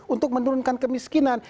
untuk menurunkan kemiskinan